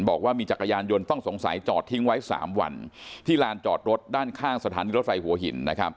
บอกว่ามีจักรยานยนต์ต้องสงสัยจอดทิ้งไว้๓วันที่ลานจอดรถด้านข้างสถานีรถไฟหัวหิน